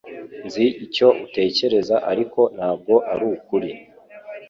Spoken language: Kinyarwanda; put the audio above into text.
Nzi icyo utekereza ariko ntabwo arukuri